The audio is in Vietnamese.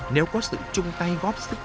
nếu có sự chung tay góp sức